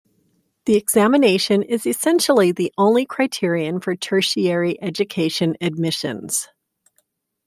The examination is essentially the only criterion for tertiary education admissions.